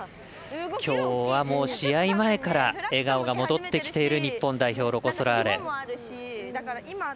きょうは、試合前から笑顔が戻ってきている日本代表、ロコ・ソラーレ。